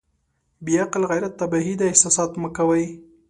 بې عقل غيرت تباهي ده احساسات مه کوئ.